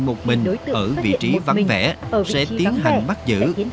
mình ở vị trí văn vẽ sẽ tiến hành bắt giữ